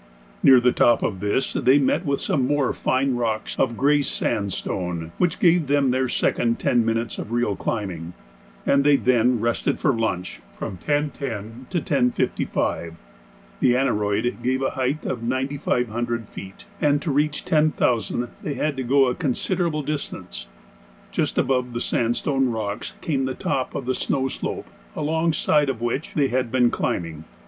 Near the top of this they met with some more fine rocks of grey sandstone which gave them their second ten minutes of real climbing, and they then rested for lunch from 10.10 to 10.55. The aneroid gave a height of 9,500 feet, and to reach 10,000 they had to go a considerable distance. Just above the sandstone rocks came the top of the snow slope alongside of which they had been climbing.